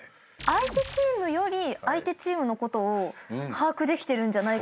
相手チームより相手チームのことを把握できてるんじゃないかなと思って。